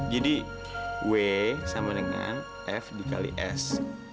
jadi w sama dengan f dikali s